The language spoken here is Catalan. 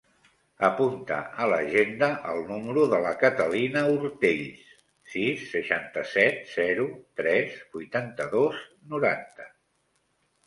Apunta a l'agenda el número de la Catalina Ortells: sis, seixanta-set, zero, tres, vuitanta-dos, noranta.